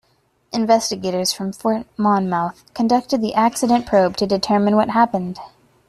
Investigators from Fort Monmouth conducted the accident probe to determine what happened.